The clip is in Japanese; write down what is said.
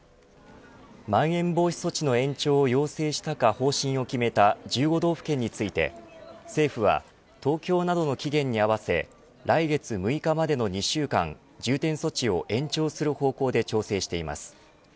まん延防止措置の延長を要請したか方針を決めた１５道府県について政府は東京などの期限に合わせ来月６日までの２週間重点措置を延長する方向で調整しています。